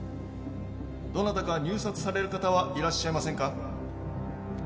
どなたか入札される方はいらっしゃいませんか？